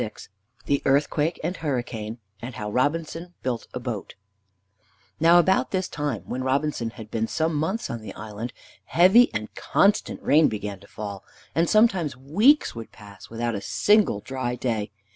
III THE EARTHQUAKE AND HURRICANE; AND HOW ROBINSON BUILT A BOAT Now about this time, when Robinson had been some months on the island, heavy and constant rain began to fall, and sometimes weeks would pass without a single dry day.